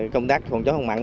công tác phòng chống mặn